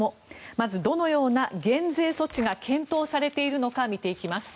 まず、どのような減税措置が検討されているのか見ていきます。